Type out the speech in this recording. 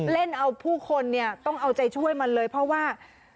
เล่นเอาผู้คนเนี่ยต้องเอาใจช่วยมันเลยเพราะว่า